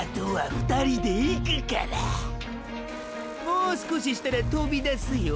もう少ししたらとびだすよ？